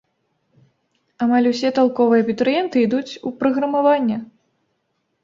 Амаль усе талковыя абітурыенты ідуць у праграмаванне.